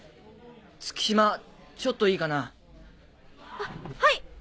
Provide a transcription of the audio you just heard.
月島ちょっといいかな？ははい！